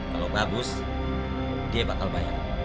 kalau bagus dia bakal bayar